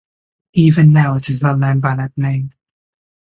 Even now it is well known by that name.